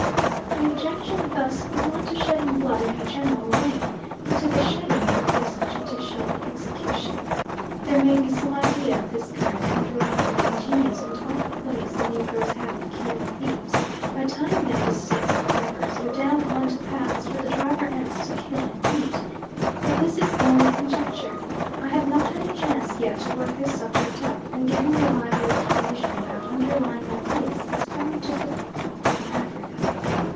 The objection thus was not to shedding blood in a general way, but to the shedding in the course of judicial execution. There may be some idea of this kind underlying the ingenious and awful ways the negroes have of killing thieves, by tying them to stakes in the rivers, or down on to paths for the driver ants to kill and eat, but this is only conjecture; I have not had a chance yet to work this subject up; and getting reliable information about underlying ideas is very difficult in Africa.